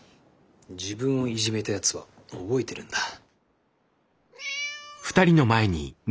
自分をいじめたやつは覚えてるんだ。